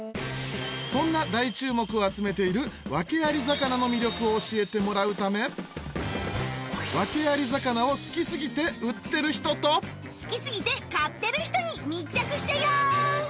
そんな大注目を集めているワケアリ魚の魅力を教えてもらうためワケアリ魚を好きすぎて売ってる人と好きすぎて買ってる人に密着したよ！